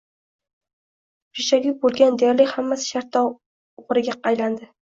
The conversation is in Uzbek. Richagi bo‘lgan deyarli hammasi shartta o‘g‘riga aylandi.